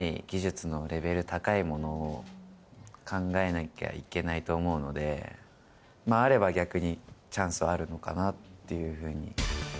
みんなのやってない技術のレベル高いものを考えなきゃいけないと思うので、あれば逆に、チャンスはあるのかなっていうふうに。